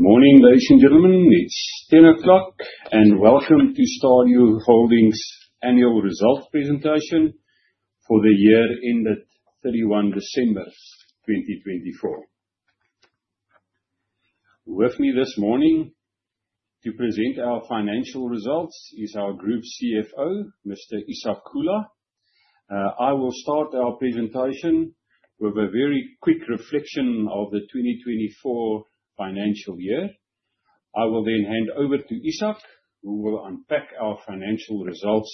Good morning, ladies and gentlemen. It's 10:00 A.M., and welcome to Stadio Holdings annual results presentation for the year ended 31 December 2024. With me this morning to present our financial results is our group CFO, Mr. Ishak Kula. I will start our presentation with a very quick reflection of the 2024 financial year. I will then hand over to Ishak, who will unpack our financial results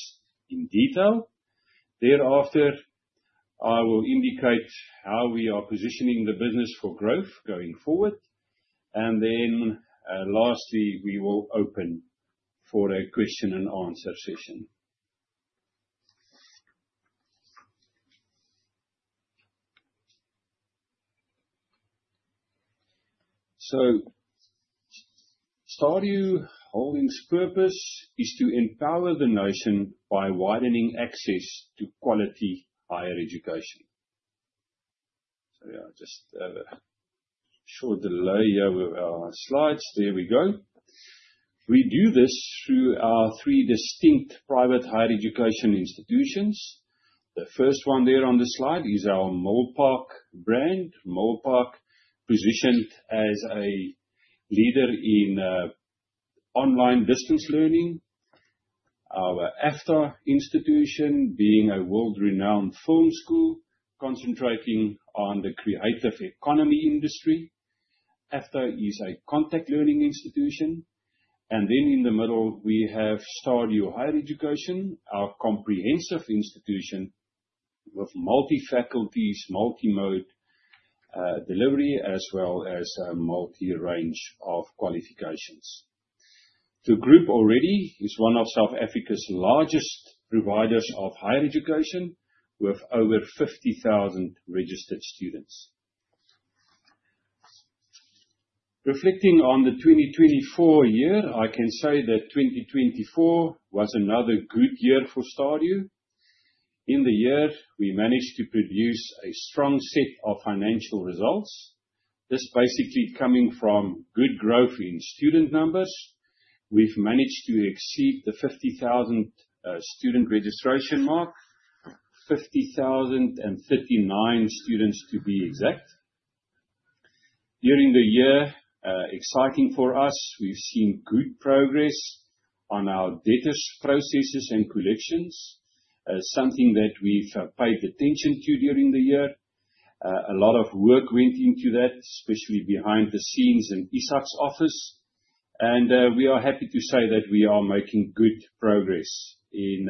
in detail. Thereafter, I will indicate how we are positioning the business for growth going forward. Lastly, we will open for a question and answer session. Stadio Holdings' purpose is to empower the nation by widening access to quality higher education. Sorry, I just have a short delay here with our slides. There we go. We do this through our three distinct private higher education institutions. The first one there on the slide is our Rosebank brand. Rosebank positioned as a leader in online distance learning. Our AFDA Institution being a world-renowned film school concentrating on the creative economy industry. AFDA is a contact learning institution. In the middle, we have STADIO Higher Education, our comprehensive institution with multi faculties, multi-mode delivery, as well as a multi range of qualifications. The group already is one of South Africa's largest providers of higher education with over 50,000 registered students. Reflecting on the 2024 year, I can say that 2024 was another good year for Stadio. In the year, we managed to produce a strong set of financial results. This basically coming from good growth in student numbers. We've managed to exceed the 50,000 student registration mark, 50,039 students to be exact. During the year, exciting for us, we've seen good progress on our debtors processes and collections, something that we've paid attention to during the year. A lot of work went into that, especially behind the scenes in Ishak's office. We are happy to say that we are making good progress in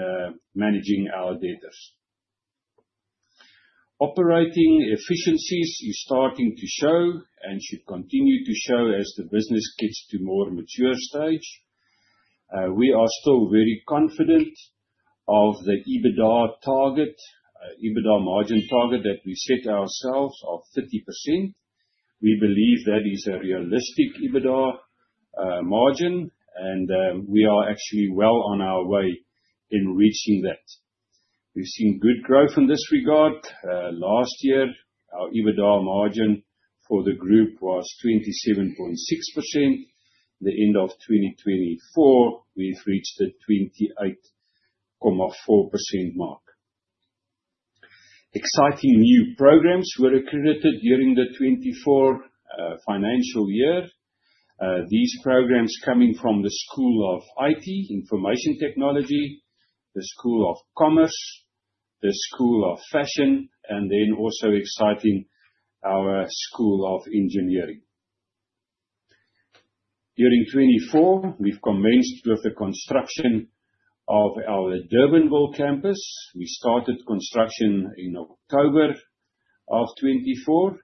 managing our debtors. Operating efficiencies is starting to show and should continue to show as the business gets to more mature stage. We are still very confident of the EBITDA target, EBITDA margin target that we set ourselves of 30%. We believe that is a realistic EBITDA margin, and we are actually well on our way in reaching that. We've seen good growth in this regard. Last year, our EBITDA margin for the group was 27.6%. The end of 2024, we've reached the 28.4% mark. Exciting new programs were accredited during the 2024 financial year. These programs coming from the School of Information Technology, the School of Commerce, the School of Fashion, and then also exciting, our School of Engineering. During 2024, we've commenced with the construction of our Durbanville campus. We started construction in October of 2024,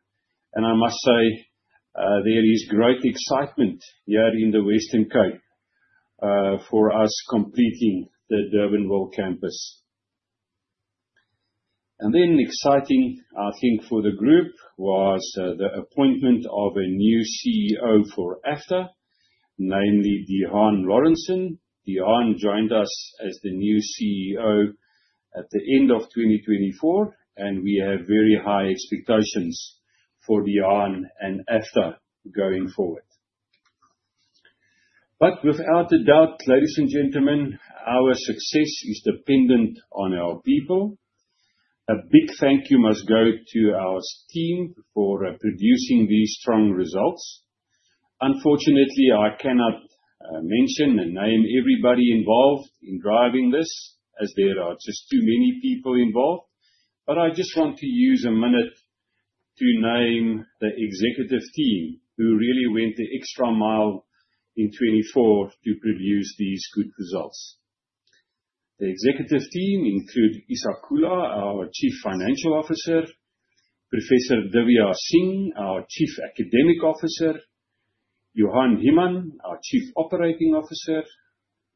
and I must say, there is great excitement here in the Western Cape for us completing the Durbanville campus. Then exciting, I think, for the group was the appointment of a new CEO for EFTA, namely Diaan Lawrenson. Diaan joined us as the new CEO at the end of 2024, and we have very high expectations for Diaan and EFTA going forward. Without a doubt, ladies and gentlemen, our success is dependent on our people. A big thank you must go to our team for producing these strong results. Unfortunately, I cannot mention and name everybody involved in driving this as there are just too many people involved. I just want to use a minute to name the executive team who really went the extra mile in 2024 to produce these good results. The executive team include Ishak Kula, our Chief Financial Officer; Professor Divya Singh, our Chief Academic Officer; Johan Human, our Chief Operating Officer;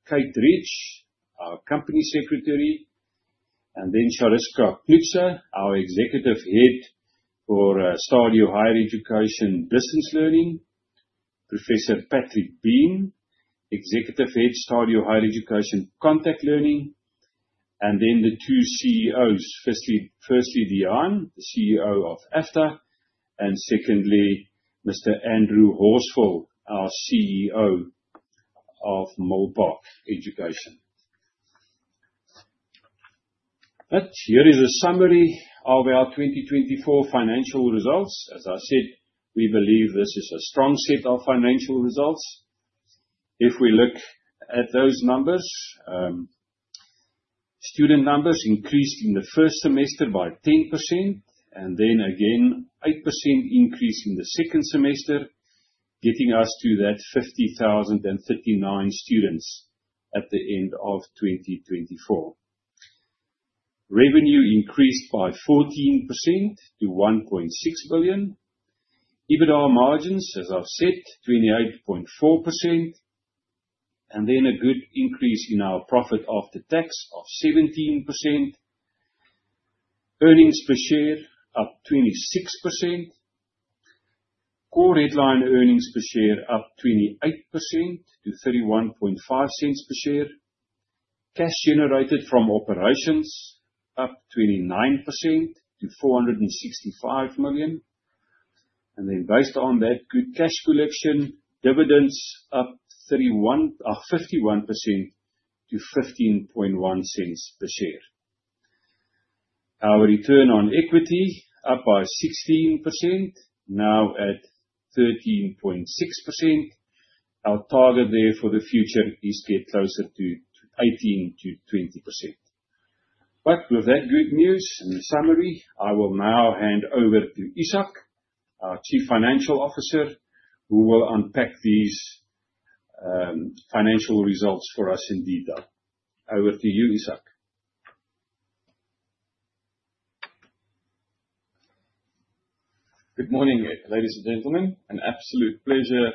Kate Ridge, our Company Secretary; Chariska Knoetze, our Executive Head for STADIO Higher Education Business Learning; Professor Patrick Bean, Executive Head, STADIO Higher Education Contact Learning. The two CEOs. Firstly, Diaan, the CEO of EFTA, and secondly, Mr. Andrew Horsfall, our CEO of Molteno Education. Here is a summary of our 2024 financial results. As I said, we believe this is a strong set of financial results. If we look at those numbers, student numbers increased in the first semester by 10% and then again, 8% increase in the second semester, getting us to that 50,039 students at the end of 2024. Revenue increased by 14% to 1.6 billion. EBITDA margins, as I've said, 28.4%. A good increase in our profit after tax of 17%. Earnings per share up 26%. Core headline earnings per share up 28% to 0.315 per share. Cash generated from operations up 29% to 465 million. Based on that good cash collection, dividends up 51% to 0.151 per share. Our return on equity up by 16%, now at 13.6%. Our target there for the future is to get closer to 18%-20%. With that good news and summary, I will now hand over to Ishak, our Chief Financial Officer, who will unpack these financial results for us in detail. Over to you, Ishak. Good morning, ladies and gentlemen. An absolute pleasure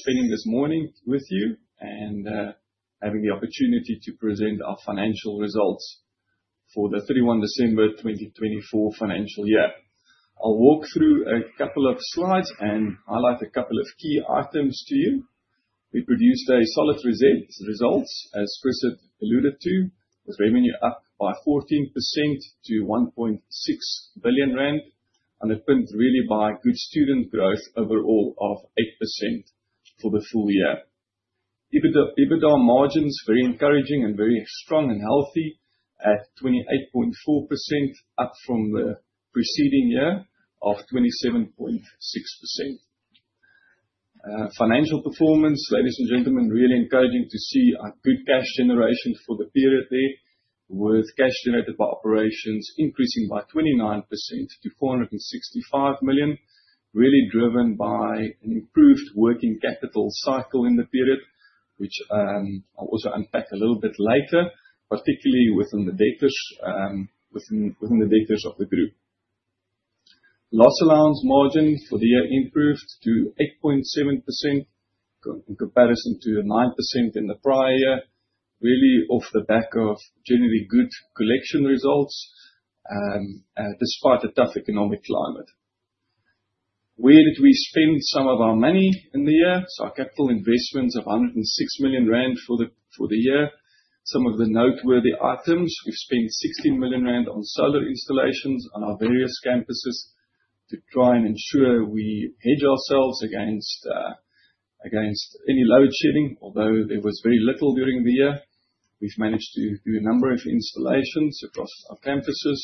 spending this morning with you and having the opportunity to present our financial results for the 31 December 2024 financial year. I'll walk through a couple of slides and highlight a couple of key items to you. We produced a solid result, as Chris has alluded to, with revenue up by 14% to 1.6 billion rand, underpinned really by good student growth overall of 8% for the full year. EBITDA margins, very encouraging and very strong and healthy at 28.4%, up from the preceding year of 27.6%. Financial performance, ladies and gentlemen, really encouraging to see a good cash generation for the period there, with cash generated by operations increasing by 29% to 465 million, really driven by an improved working capital cycle in the period, which I'll also unpack a little bit later, particularly within the debtors of the group. Loss allowance margin for the year improved to 8.7% in comparison to the 9% in the prior year, really off the back of generally good collection results, despite a tough economic climate. Where did we spend some of our money in the year? Our capital investments of 106 million rand for the year. Some of the noteworthy items, we've spent 16 million rand on solar installations on our various campuses to try and ensure we hedge ourselves against any load shedding. Although there was very little during the year. We've managed to do a number of installations across our campuses.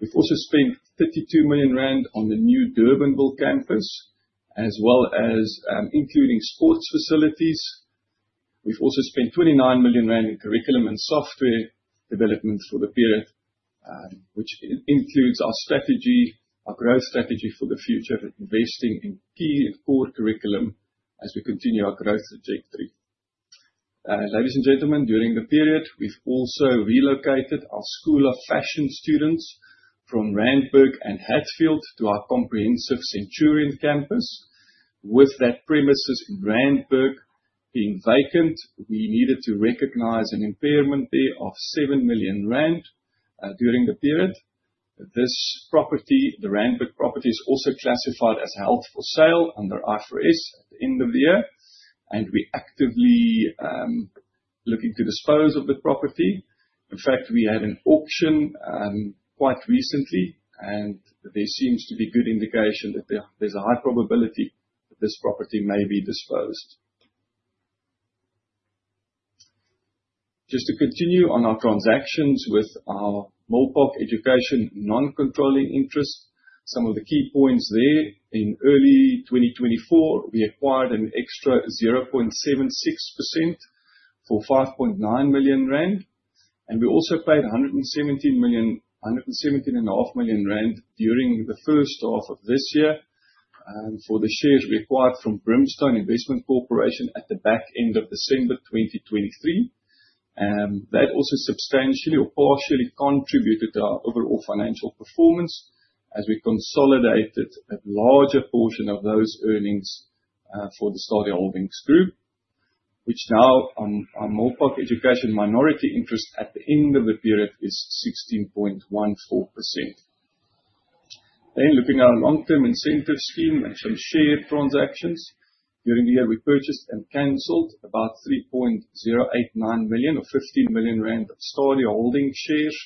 We've also spent 32 million rand on the new Durbanville campus, as well as including sports facilities. We've also spent 29 million rand in curriculum and software development for the period, which includes our growth strategy for the future, investing in key core curriculum as we continue our growth trajectory. Ladies and gentlemen, during the period, we've also relocated our School of Fashion students from Randburg and Hatfield to our comprehensive Centurion campus. With that premises in Randburg being vacant, we needed to recognize an impairment there of 7 million rand during the period. This property, the Randburg property, is also classified as held for sale under IFRS 5 at the end of the year, and we're actively looking to dispose of the property. In fact, we had an auction quite recently, and there seems to be good indication that there's a high probability that this property may be disposed. Just to continue on our transactions with our Molteno Education non-controlling interest. Some of the key points there. In early 2024, we acquired an extra 0.76% for 5.9 million rand, and we also paid 117.5 million rand during the first half of this year for the shares we acquired from Brimstone Investment Corporation at the back end of December 2023. That also substantially or partially contributed to our overall financial performance as we consolidated a larger portion of those earnings for the Stadio Holdings group, which now on our Milpark Education minority interest at the end of the period is 16.14%. Looking at our long-term incentive scheme and some share transactions. During the year, we purchased and canceled about 3.089 million or 15 million rand of Stadio Holdings shares.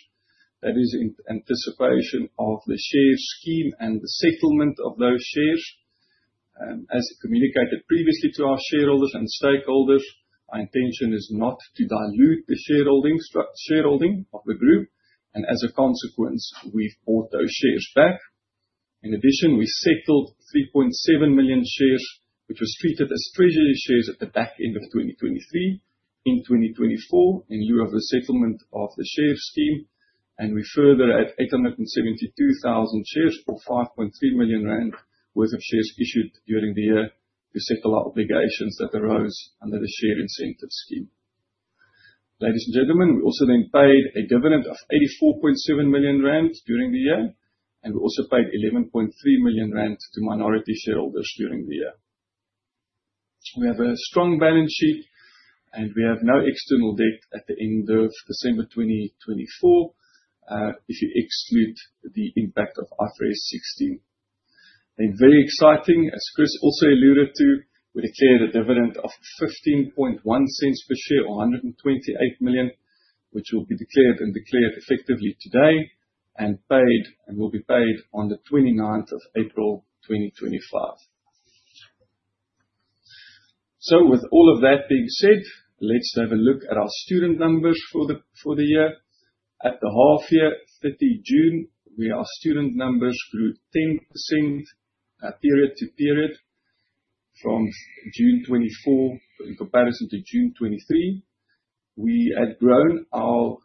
That is in anticipation of the share scheme and the settlement of those shares. As communicated previously to our shareholders and stakeholders, our intention is not to dilute the shareholding of the group. As a consequence, we've bought those shares back. In addition, we settled 3.7 million shares, which was treated as treasury shares at the back end of 2023 in 2024, in lieu of the settlement of the share scheme. We further add 872,000 shares or 5.3 million rand worth of shares issued during the year to settle our obligations that arose under the share incentive scheme. Ladies and gentlemen, we also then paid a dividend of 84.7 million rand during the year. We also paid 11.3 million rand to minority shareholders during the year. We have a strong balance sheet. We have no external debt at the end of December 2024, if you exclude the impact of IFRS 16. Very exciting, as Chris also alluded to, we declared a dividend of 0.151 per share or 128 million, which will be declared and declared effectively today, and will be paid on the 29th of April 2025. With all of that being said, let's have a look at our student numbers for the year. At the half year, 30 June, our student numbers grew 10% period to period from June 2024 in comparison to June 2023. We had grown our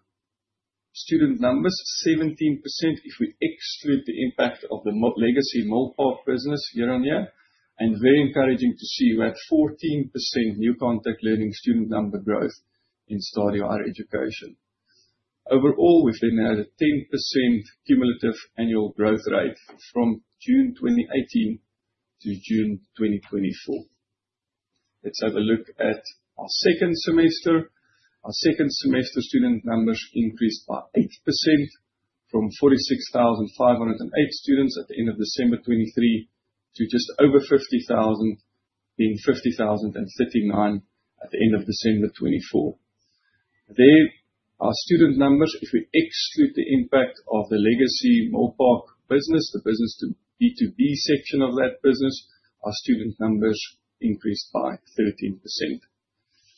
student numbers 17% if we exclude the impact of the legacy Milpark Park business year-on-year, and very encouraging to see we had 14% new contact learning student number growth in STADIO Higher Education. Overall, we've had a 10% cumulative annual growth rate from June 2018 to June 2024. Let's have a look at our second semester. Our second semester student numbers increased by 8% from 46,508 students at the end of December 2023 to just over 50,000, being 50,039 at the end of December 2024. There, our student numbers, if we exclude the impact of the legacy Molteno Park business, the business to B2B section of that business, our student numbers increased by 13%,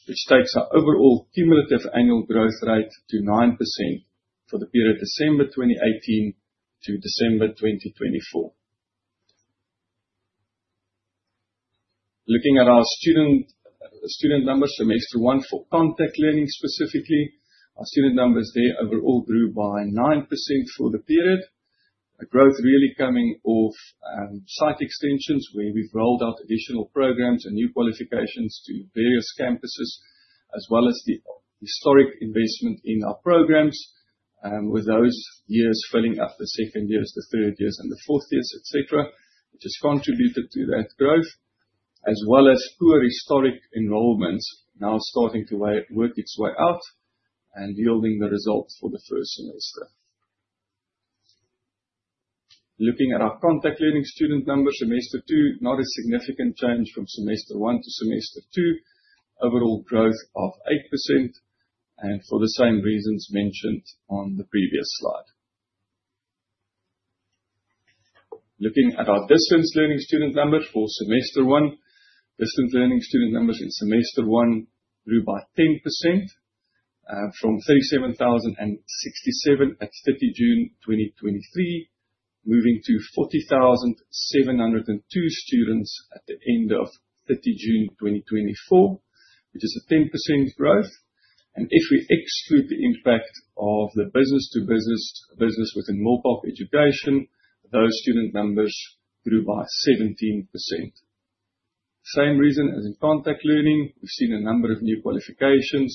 which takes our overall cumulative annual growth rate to 9% for the period December 2018 to December 2024. Looking at our student numbers, semester one for contact learning, specifically. Our student numbers there overall grew by 9% for the period. Our growth really coming off site extensions where we've rolled out additional programs and new qualifications to various campuses, as well as the historic investment in our programs, with those years filling up the second years, third years, and fourth years, et cetera, which has contributed to that growth, as well as poor historic enrollments now starting to work its way out and yielding the results for the first semester. Looking at our contact learning student numbers, semester two, not a significant change from semester one to semester two. Overall growth of 8% and for the same reasons mentioned on the previous slide. Looking at our distance learning student numbers for semester one. Distance learning student numbers in semester one grew by 10%, from 37,067 at 30 June 2023, moving to 40,702 students at the end of 30 June 2024, which is a 10% growth. If we exclude the impact of the business to business within Molteno Park Education, those student numbers grew by 17%. Same reason as in contact learning. We've seen a number of new qualifications and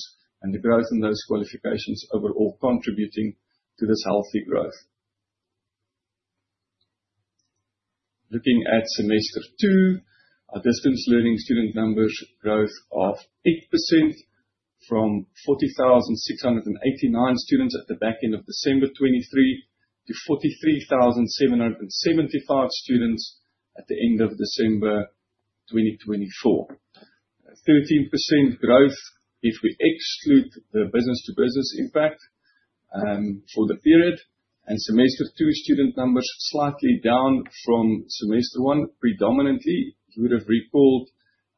the growth in those qualifications overall contributing to this healthy growth. Looking at semester two, our distance learning student numbers growth of 8% from 40,689 students at the back end of December 2023 to 43,775 students at the end of December 2024. 13% growth if we exclude the business to business impact for the period. Semester two student numbers slightly down from semester one predominantly. You would have recalled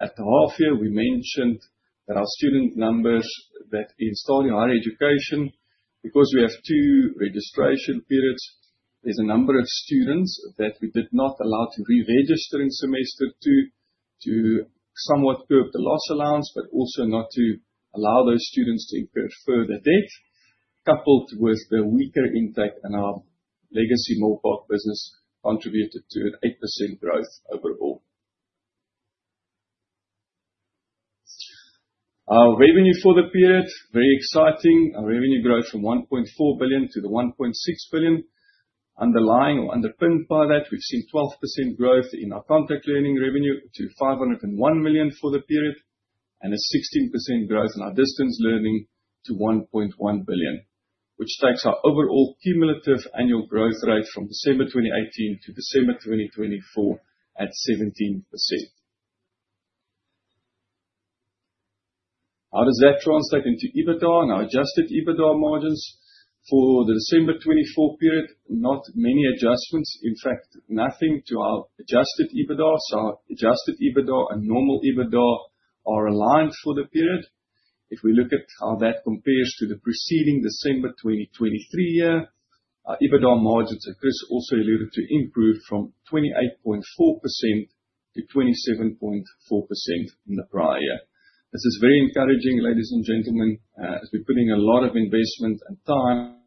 at the half year, we mentioned that our student numbers that in STADIO Higher Education, because we have two registration periods, there's a number of students that we did not allow to reregister in semester two to somewhat curb the loss allowance, but also not to allow those students to incur further debt, coupled with the weaker intake in our legacy Molteno Education business contributed to an 8% growth overall. Our revenue for the period, very exciting. Our revenue growth from 1.4 billion to 1.6 billion underlying or underpinned by that, we've seen 12% growth in our contact learning revenue to 501 million for the period. A 16% growth in our distance learning to 1.1 billion, which takes our overall cumulative annual growth rate from December 2018 to December 2024 at 17%. How does that translate into EBITDA and our adjusted EBITDA margins? For the December 2024 period, not many adjustments. In fact, nothing to our adjusted EBITDA. Our adjusted EBITDA and normal EBITDA are aligned for the period. If we look at how that compares to the preceding December 2023 year, our EBITDA margins, as Chris also alluded to, improved from 28.4% to 27.6% in the prior year. This is very encouraging, ladies and gentlemen, as we're putting a lot of investment and time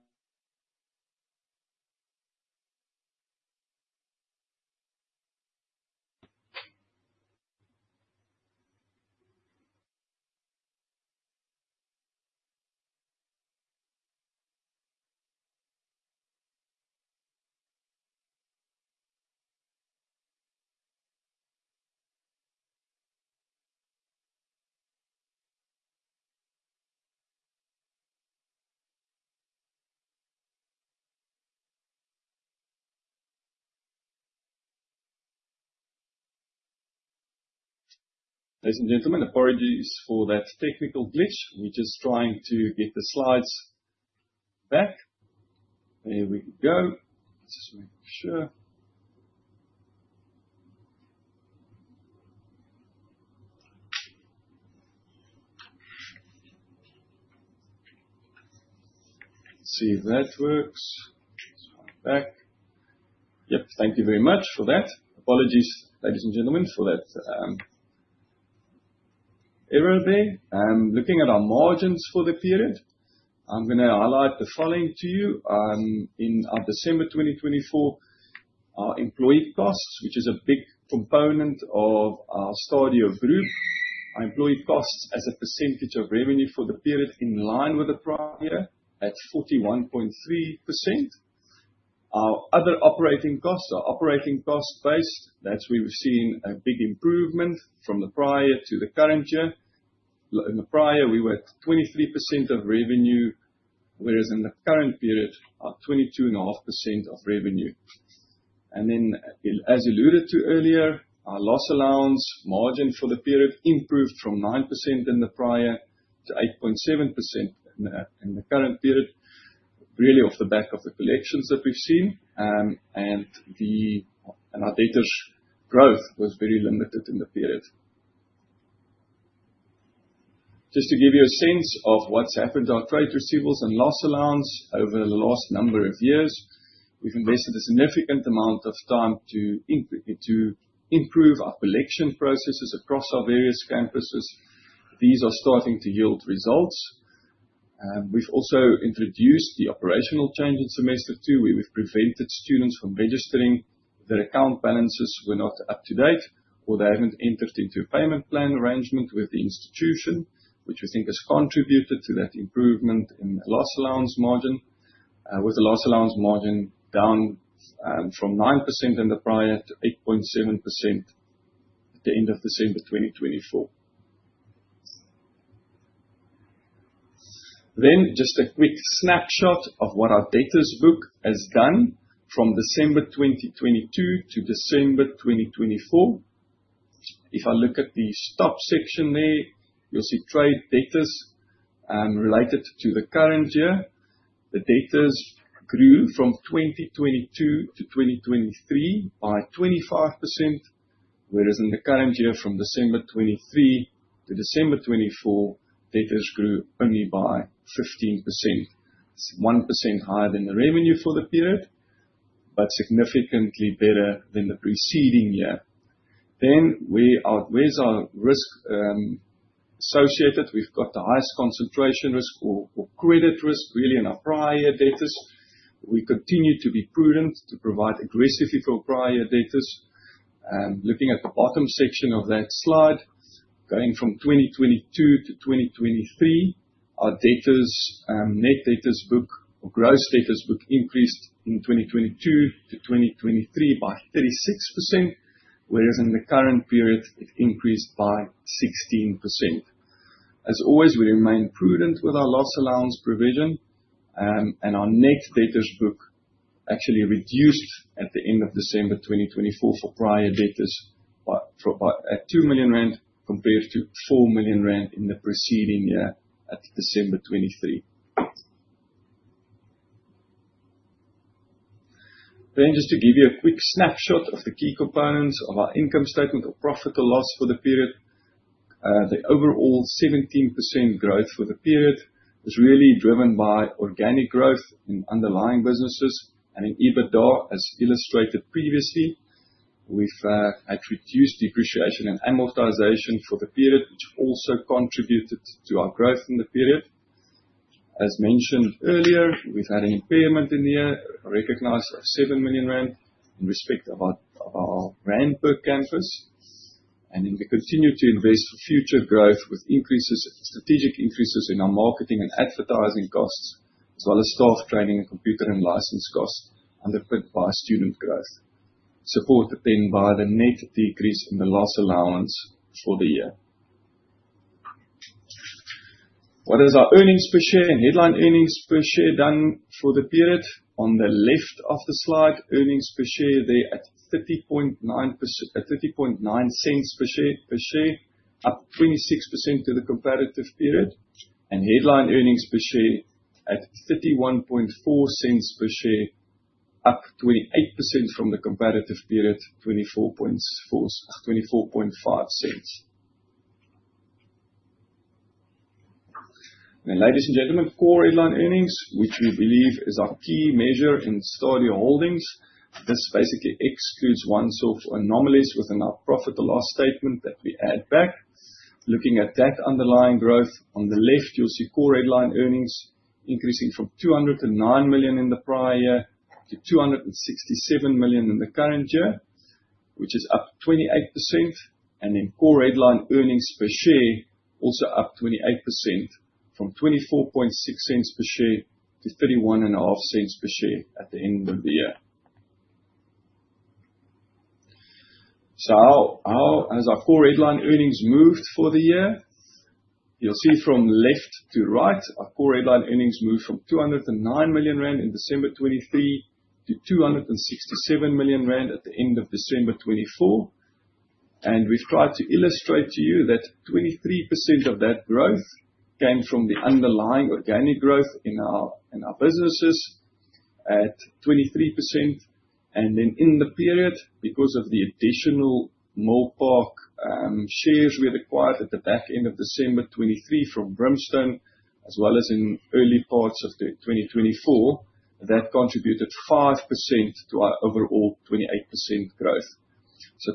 Ladies and gentlemen, apologies for that technical glitch. We're just trying to get the slides back. There we go. Let's just make sure. See if that works. It's back. Yep. Thank you very much for that. Apologies, ladies and gentlemen, for that error there. Looking at our margins for the period, I'm going to highlight the following to you. In our December 2024, our employee costs, which is a big component of our Stadio Group, our employee costs as a percentage of revenue for the period in line with the prior year, at 41.3%. Our other operating costs, our operating cost base. That's where we're seeing a big improvement from the prior to the current year. In the prior, we were at 23% of revenue, whereas in the current period, up 22.5% of revenue. As alluded to earlier, our loss allowance margin for the period improved from 9% in the prior to 8.7% in the current period, really off the back of the collections that we've seen. Our debtors' growth was very limited in the period. Just to give you a sense of what's happened to our trade receivables and loss allowance over the last number of years. We've invested a significant amount of time to improve our collection processes across our various campuses. These are starting to yield results. We've also introduced the operational change in semester two, where we've prevented students from registering if their account balances were not up to date, or they haven't entered into a payment plan arrangement with the institution. Which we think has contributed to that improvement in the loss allowance margin. With the loss allowance margin down from 9% in the prior to 8.7% at the end of December 2024. Just a quick snapshot of what our debtors book has done from December 2022 to December 2024. If I look at the top section there, you'll see trade debtors, related to the current year. The debtors grew from 2022 to 2023 by 25%, whereas in the current year, from December 2023 to December 2024, debtors grew only by 15%. It's 1% higher than the revenue for the period, but significantly better than the preceding year. Where's our risk associated? We've got the highest concentration risk or credit risk really in our prior debtors. We continue to be prudent to provide aggressively for prior debtors. Looking at the bottom section of that slide. Going from 2022 to 2023, our debtors, net debtors book or gross debtors book increased in 2022 to 2023 by 36%, whereas in the current period it increased by 16%. As always, we remain prudent with our loss allowance provision, and our net debtors book actually reduced at the end of December 2024 for prior debtors at 2 million rand, compared to 4 million rand in the preceding year at December 2023. Just to give you a quick snapshot of the key components of our income statement of profit or loss for the period. The overall 17% growth for the period is really driven by organic growth in underlying businesses and in EBITDA, as illustrated previously. We've had reduced depreciation and amortization for the period, which also contributed to our growth in the period. As mentioned earlier, we've had an impairment in here, recognized of 7 million rand in respect of our Randburg campus. We continue to invest for future growth with strategic increases in our marketing and advertising costs, as well as staff training and computer and license costs underpinned by student growth. Supported by the net decrease in the loss allowance for the year. What has our earnings per share and headline earnings per share done for the period? On the left of the slide, earnings per share there at 0.3090 per share, up 26% to the comparative period, and headline earnings per share at 0.3140 per share, up 28% from the comparative period, 0.2450. Ladies and gentlemen, core headline earnings, which we believe is our key measure in Stadio Holdings. This basically excludes one-off anomalies within our profit or loss statement that we add back. Looking at that underlying growth, on the left, you'll see core headline earnings increasing from 209 million in the prior year to 267 million in the current year, which is up 28%. Core headline earnings per share, also up 28% from 0.2460 per share to 0.3150 per share at the end of the year. How has our core headline earnings moved for the year? You'll see from left to right, our core headline earnings moved from 209 million rand in December 2023 to 267 million rand at the end of December 2024. We've tried to illustrate to you that 23% of that growth came from the underlying organic growth in our businesses at 23%. In the period, because of the additional Milpark shares we acquired at the back end of December 2023 from Brimstone Investment Corporation, as well as in early parts of 2024, that contributed 5% to our overall 28% growth.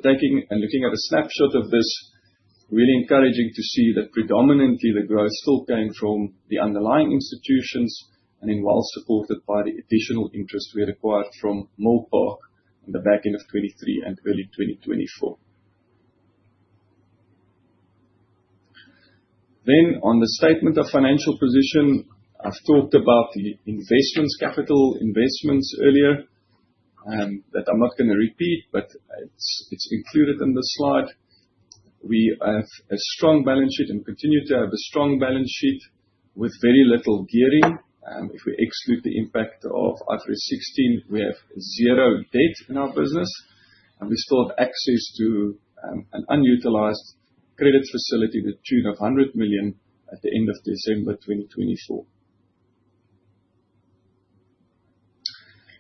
Taking and looking at a snapshot of this, really encouraging to see that predominantly the growth still came from the underlying institutions, and then well supported by the additional interest we acquired from Milpark in the back end of 2023 and early 2024. On the statement of financial position, I've talked about the investments, capital investments earlier, that I'm not going to repeat, but it's included in the slide. We have a strong balance sheet and continue to have a strong balance sheet with very little gearing. If we exclude the impact of IFRS 16, we have zero debt in our business, and we still have access to an unutilized credit facility to the tune of 100 million at the end of December 2024.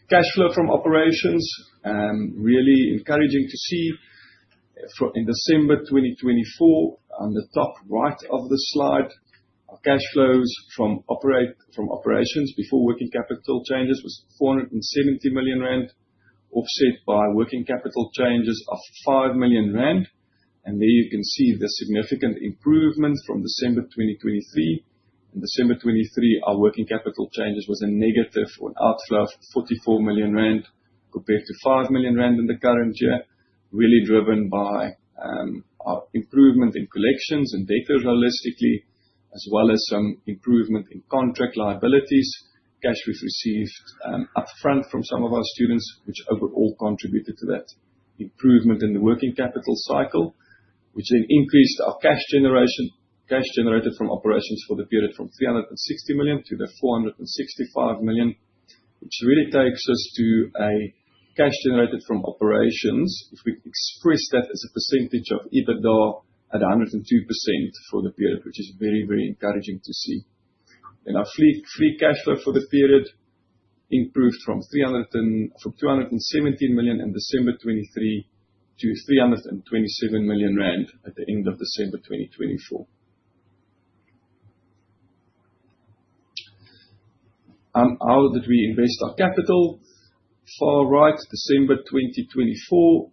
Cash flow from operations, really encouraging to see. In December 2024, on the top right of the slide, our cash flows from operations before working capital changes was 470 million rand, offset by working capital changes of 5 million rand. There you can see the significant improvement from December 2023. In December 2023, our working capital changes was a negative or an outflow of 44 million rand compared to 5 million rand in the current year, really driven by our improvement in collections and debtors, realistically, as well as some improvement in contract liabilities, cash we've received upfront from some of our students, which overall contributed to that improvement in the working capital cycle, which then increased our cash generation. Cash generated from operations for the period from 360 million to the 465 million, which really takes us to a cash generated from operations. If we express that as a percentage of EBITDA at 102% for the period, which is very encouraging to see. Our free cash flow for the period improved from 217 million in December 2023 to 327 million rand at the end of December 2024. How did we invest our capital? Far right, December 2024,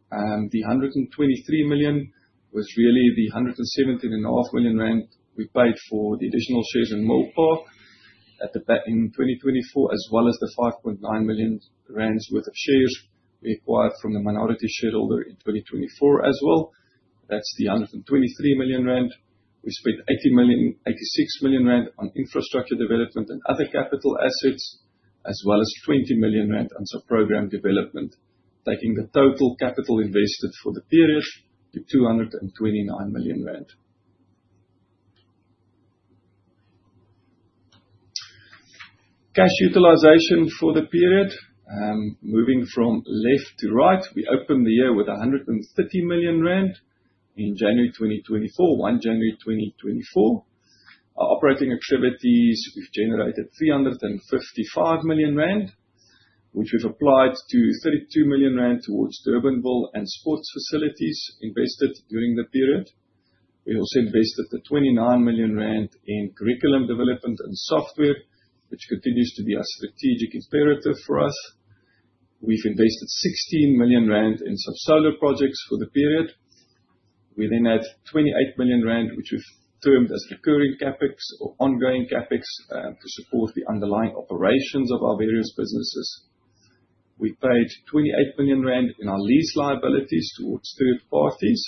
the 123 million was really the 117.5 million rand we paid for the additional shares in Milpark at the back end of 2024, as well as the 5.9 million rand worth of shares we acquired from the minority shareholder in 2024 as well. That's the 123 million rand. We spent 86 million rand on infrastructure development and other capital assets, as well as 20 million rand on some program development, taking the total capital invested for the period to 229 million rand. Cash utilization for the period. Moving from left to right, we opened the year with 130 million rand in January 2024, on January 2024. Our operating activities, we've generated 355 million rand, which we've applied to 32 million rand towards Durbanville and sports facilities invested during the period. We also invested the 29 million rand in curriculum development and software, which continues to be a strategic imperative for us. We've invested 16 million rand in some solar projects for the period. We had 28 million rand, which we've termed as recurring CapEx or ongoing CapEx, to support the underlying operations of our various businesses. We paid 28 million rand in our lease liabilities towards third parties.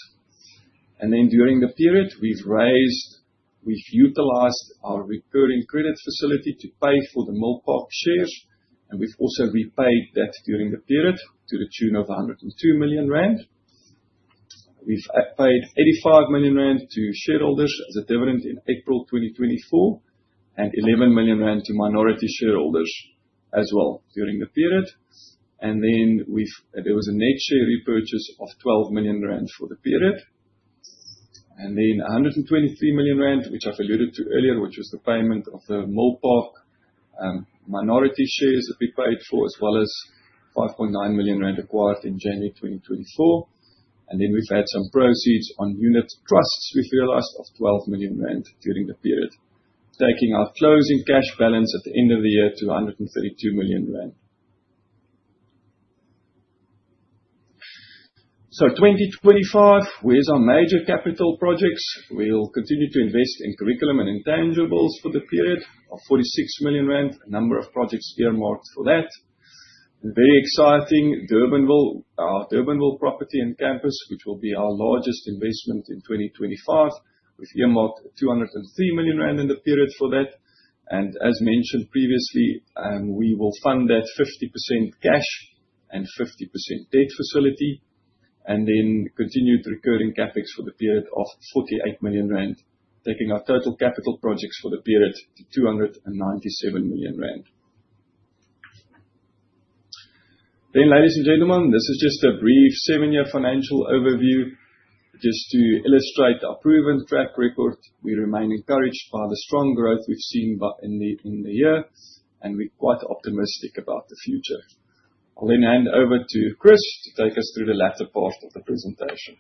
During the period, we've raised, we've utilized our recurring credit facility to pay for the Milpark shares, and we've also repaid that during the period to the tune of 102 million rand. We've paid 85 million rand to shareholders as a dividend in April 2024 and 11 million rand to minority shareholders as well during the period. There was a net share repurchase of 12 million rand for the period. 123 million rand, which I've alluded to earlier, which was the payment of the Milpark Education minority shares that we paid for, as well as 5.9 million rand acquired in January 2024. We've had some proceeds on unit trusts we've realized of 12 million rand during the period, taking our closing cash balance at the end of the year to 132 million rand. 2025, where are our major capital projects? We'll continue to invest in curriculum and intangibles for the period of 46 million rand, a number of projects earmarked for that. Very exciting, our Durbanville property and campus, which will be our largest investment in 2025. We've earmarked 203 million rand in the period for that. As mentioned previously, we will fund that 50% cash and 50% debt facility, continued recurring CapEx for the period of 48 million rand, taking our total capital projects for the period to 297 million rand. Ladies and gentlemen, this is just a brief 7-year financial overview just to illustrate our proven track record. We remain encouraged by the strong growth we've seen in the year, and we're quite optimistic about the future. I'll then hand over to Chris to take us through the latter part of the presentation.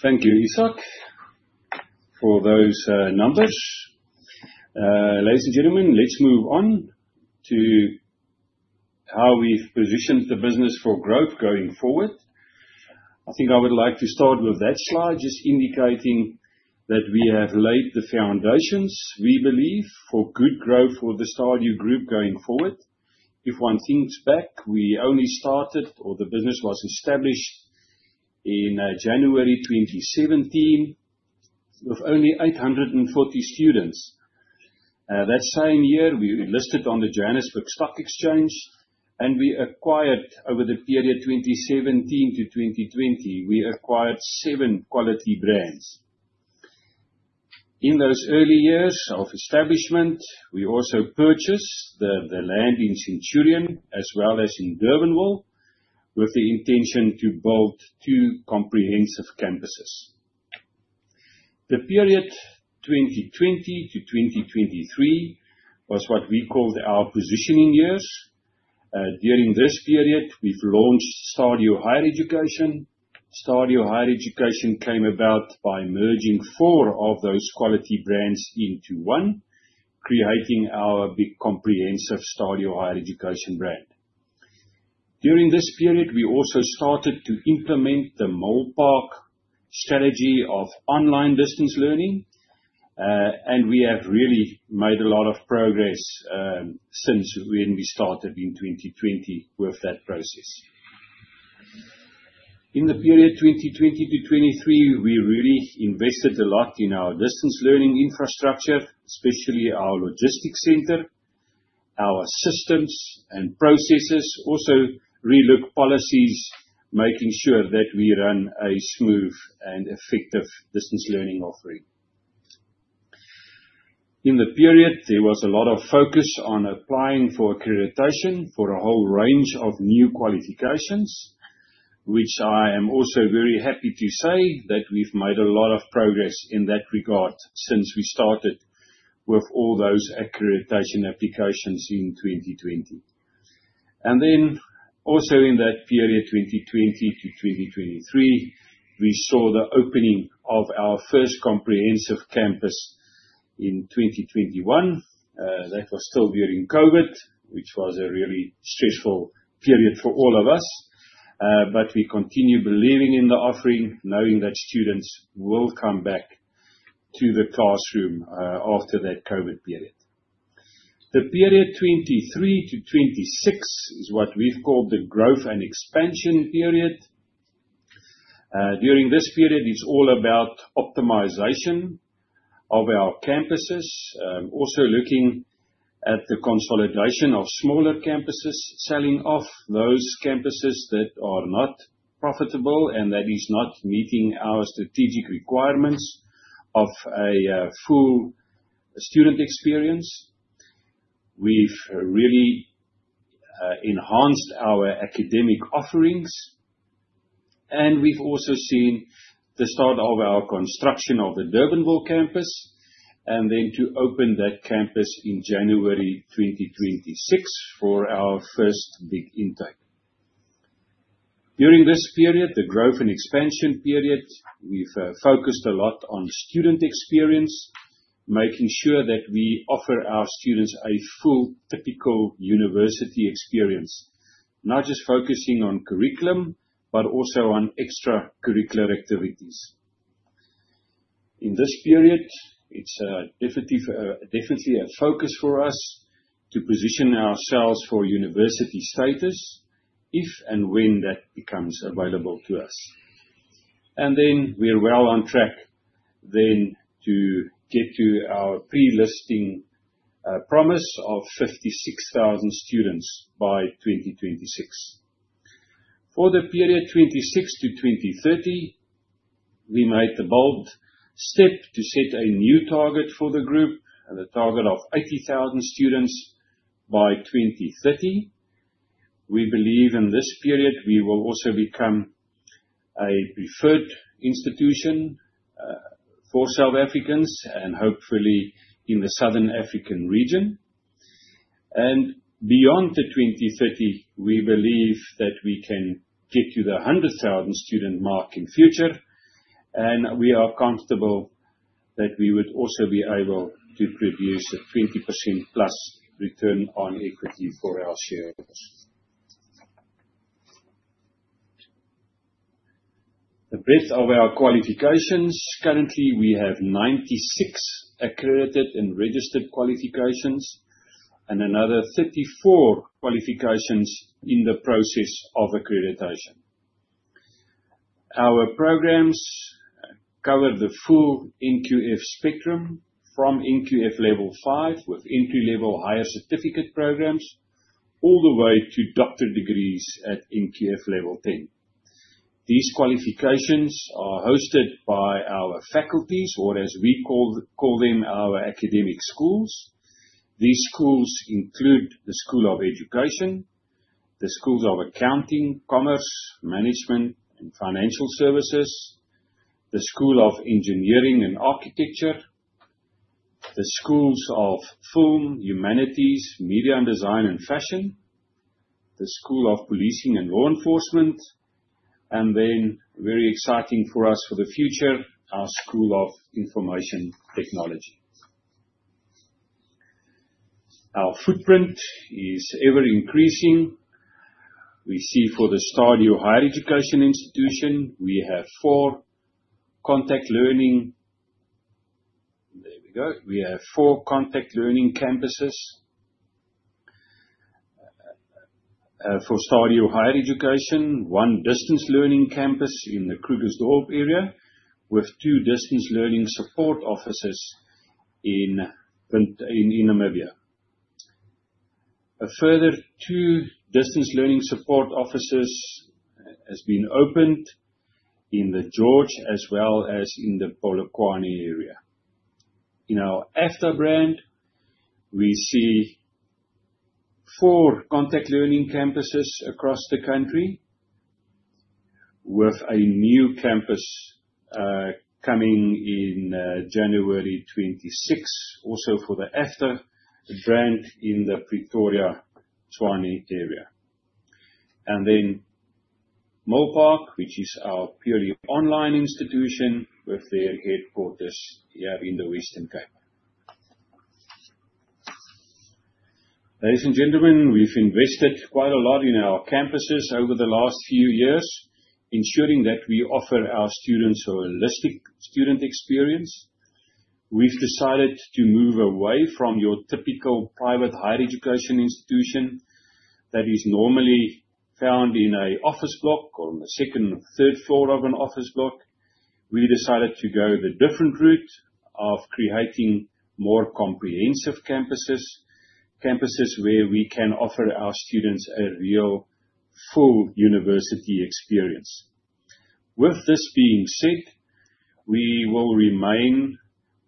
Thank you, Ishak, for those numbers. Ladies and gentlemen, let's move on to how we've positioned the business for growth going forward. I think I would like to start with that slide, just indicating that we have laid the foundations, we believe, for good growth for the Stadio group going forward. If one thinks back, we only started or the business was established in January 2017 with only 840 students. That same year, we listed on the Johannesburg Stock Exchange, and we acquired over the period 2017 to 2020, we acquired seven quality brands. In those early years of establishment, we also purchased the land in Centurion as well as in Durbanville with the intention to build two comprehensive campuses. The period 2020 to 2023 was what we called our positioning years. During this period, we've launched STADIO Higher Education. STADIO Higher Education came about by merging four of those quality brands into one, creating our big comprehensive STADIO Higher Education brand. During this period, we also started to implement the Milpark strategy of online distance learning, and we have really made a lot of progress since when we started in 2020 with that process. In the period 2020 to 2023, we really invested a lot in our distance learning infrastructure, especially our logistics center, our systems and processes. We re-look policies, making sure that we run a smooth and effective distance learning offering. In the period, there was a lot of focus on applying for accreditation for a whole range of new qualifications, which I am also very happy to say that we've made a lot of progress in that regard since we started with all those accreditation applications in 2020. Also in that period, 2020 to 2023, we saw the opening of our first comprehensive campus in 2021. That was still during COVID, which was a really stressful period for all of us. We continue believing in the offering, knowing that students will come back to the classroom after that COVID period. The period 2023 to 2026 is what we've called the growth and expansion period. During this period, it's all about optimization of our campuses. Also looking at the consolidation of smaller campuses, selling off those campuses that are not profitable and that is not meeting our strategic requirements of a full student experience. We've really enhanced our academic offerings, and we've also seen the start of our construction of the Durbanville campus, and then to open that campus in January 2026 for our first big intake. During this period, the growth and expansion period, we've focused a lot on student experience, making sure that we offer our students a full typical university experience. Not just focusing on curriculum, but also on extracurricular activities. In this period, it's definitely a focus for us to position ourselves for university status if and when that becomes available to us. We're well on track then to get to our pre-listing promise of 56,000 students by 2026. For the period 2026 to 2030, we made the bold step to set a new target for the group and a target of 80,000 students by 2030. We believe in this period we will also become a preferred institution for South Africans and hopefully in the Southern African region. Beyond 2030, we believe that we can get to the 100,000 student mark in future, and we are comfortable that we would also be able to produce a 20% plus return on equity for our shareholders. The breadth of our qualifications. Currently, we have 96 accredited and registered qualifications and another 34 qualifications in the process of accreditation. Our programs cover the full NQF spectrum from NQF level 5 with entry-level higher certificate programs all the way to doctorate degrees at NQF level 10. These qualifications are hosted by our faculties or as we call them, our academic schools. These schools include the School of Education, the Schools of Accounting, Commerce, Management, and Financial Services, the School of Engineering and Architecture, the Schools of Film, Humanities, Media & Design, and Fashion, the School of Policing and Law Enforcement, then very exciting for us for the future, our School of Information Technology. Our footprint is ever-increasing. We see for the STADIO Higher Education Institution, we have four contact learning. We have four contact learning campuses for STADIO Higher Education, one distance learning campus in the Krugersdorp area with two distance learning support offices in Namibia. A further two distance learning support offices has been opened in the George as well as in the Polokwane area. In our EFTA brand, we see four contact learning campuses across the country with a new campus coming in January 2026 also for the EFTA brand in the Pretoria, Tshwane area. Milpark, which is our purely online institution with their headquarters here in the Western Cape. Ladies and gentlemen, we've invested quite a lot in our campuses over the last few years, ensuring that we offer our students a holistic student experience. We've decided to move away from your typical private higher education institution that is normally found in an office block or on the second or third floor of an office block. We decided to go the different route of creating more comprehensive campuses. Campuses where we can offer our students a real full university experience. With this being said, we will remain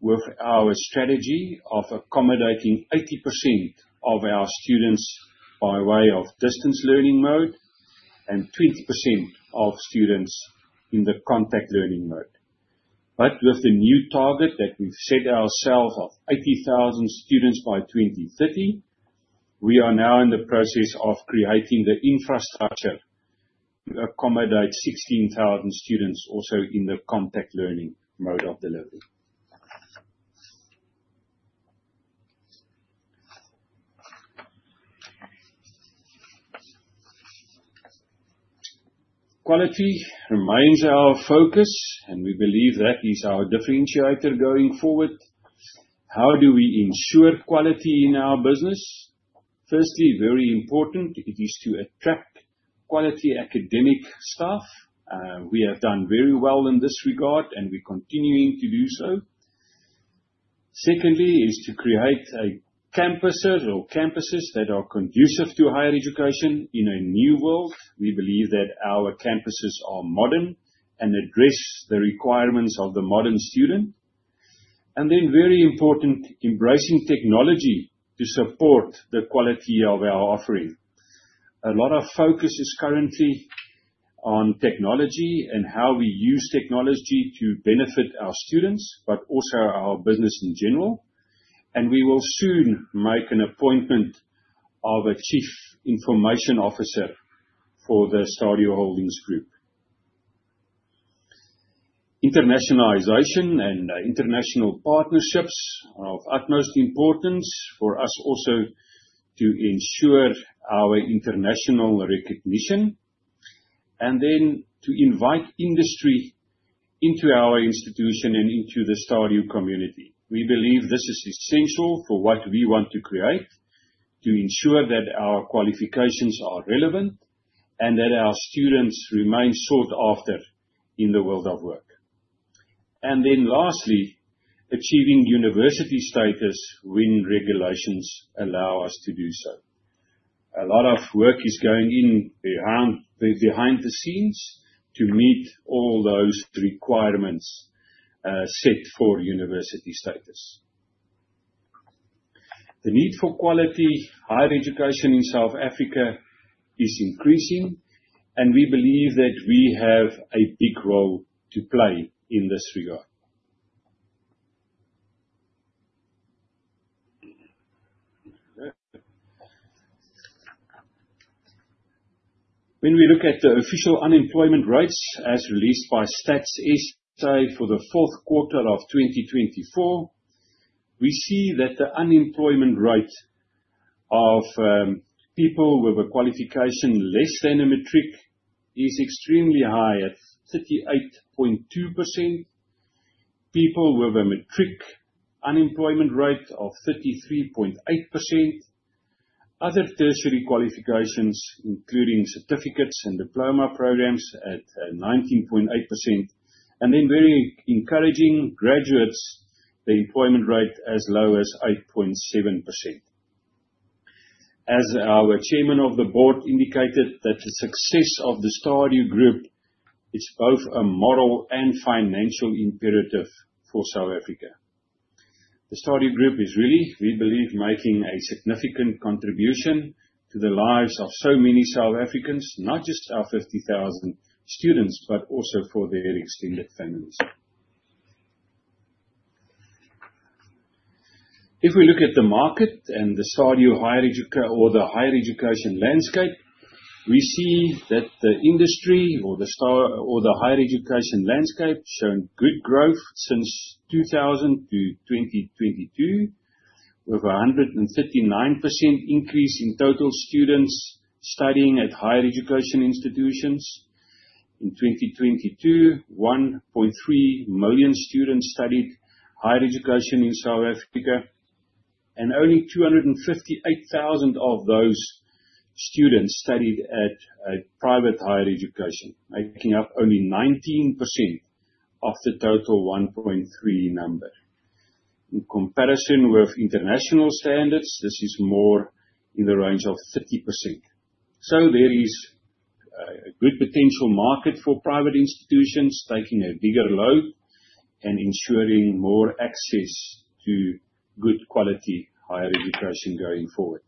with our strategy of accommodating 80% of our students by way of distance learning mode and 20% of students in the contact learning mode. With the new target that we've set ourselves of 80,000 students by 2030, we are now in the process of creating the infrastructure to accommodate 16,000 students also in the contact learning mode of delivery. Quality remains our focus, and we believe that is our differentiator going forward. How do we ensure quality in our business? Firstly, very important it is to attract quality academic staff. We have done very well in this regard, and we're continuing to do so. Secondly, is to create campuses or campuses that are conducive to higher education in a new world. We believe that our campuses are modern and address the requirements of the modern student. Very important, embracing technology to support the quality of our offering. A lot of focus is currently on technology and how we use technology to benefit our students, but also our business in general. We will soon make an appointment of a Chief Information Officer for the Stadio Holdings Group. Internationalization and international partnerships are of utmost importance for us also to ensure our international recognition. Then to invite industry into our institution and into the Stadio community. We believe this is essential for what we want to create to ensure that our qualifications are relevant and that our students remain sought after in the world of work. Lastly, achieving university status when regulations allow us to do so. A lot of work is going in behind the scenes to meet all those requirements set for university status. The need for quality higher education in South Africa is increasing, and we believe that we have a big role to play in this regard. When we look at the official unemployment rates as released by Stats SA for the fourth quarter of 2024, we see that the unemployment rate of people with a qualification less than a matric is extremely high at 38.2%. People with a matric, unemployment rate of 33.8%. Other tertiary qualifications, including certificates and diploma programs, at 19.8%. Very encouraging, graduates, the employment rate as low as 8.7%. As our Chairman of the Board indicated, that the success of the Stadio Group is both a moral and financial imperative for South Africa. The Stadio Group is really, we believe, making a significant contribution to the lives of so many South Africans, not just our 50,000 students, but also for their extended families. If we look at the market and the STADIO Higher Education or the higher education landscape, we see that the industry or the higher education landscape shown good growth since 2000-2022, with 139% increase in total students studying at higher education institutions. In 2022, 1.3 million students studied higher education in South Africa, and only 258,000 of those students studied at a private higher education, making up only 19% of the total 1.3 number. In comparison with international standards, this is more in the range of 30%. There is a good potential market for private institutions taking a bigger load and ensuring more access to good quality higher education going forward.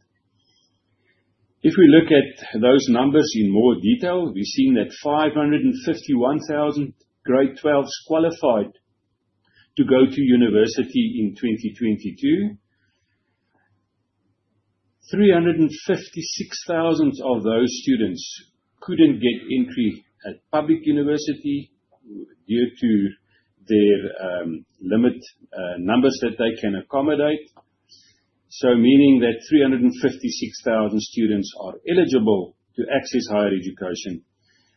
If we look at those numbers in more detail, we're seeing that 551,000 grade 12s qualified to go to university in 2022. 356,000 of those students couldn't get entry at public university due to their limit numbers that they can accommodate. Meaning that 356,000 students are eligible to access higher education,